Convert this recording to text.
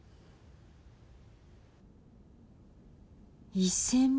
１，０００万